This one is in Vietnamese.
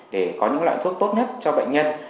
để có những loại thuốc tốt nhất cho bệnh nhân